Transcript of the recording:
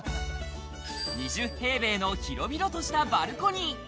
２０平米の広々としたバルコニー。